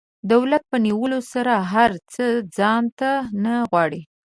دولت په نیولو سره هر څه ځان ته نه غواړي.